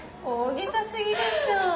大げさすぎでしょ。